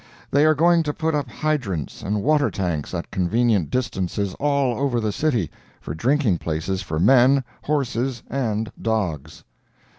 They are going to put up hydrants and water tanks at convenient distances all over the city, for drinking places for men, horses and dogs.